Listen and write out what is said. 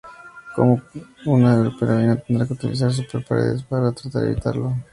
Como una super-heroína, tendrá que utilizar sus super poderes para tratar de evitarlo.